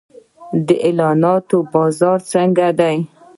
د اعلاناتو بازار څنګه دی؟